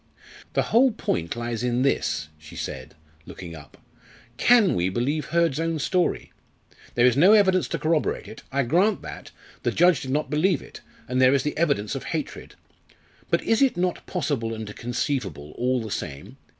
"The whole point lies in this," she said, looking up: "Can we believe Hurd's own story? There is no evidence to corroborate it. I grant that the judge did not believe it and there is the evidence of hatred. But is it not possible and conceivable all the same?